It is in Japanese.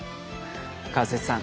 川節さん